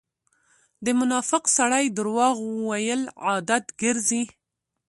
د منافق سړی درواغ وويل عادت ګرځئ.